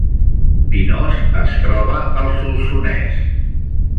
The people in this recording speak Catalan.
Pinós es troba al Solsonès